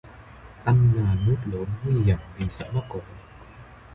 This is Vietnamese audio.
Ăn mà nuốt lốn nguy hiểm vì sợ mắc cổ